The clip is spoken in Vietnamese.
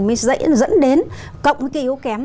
mới dẫn đến cộng với cái yếu kém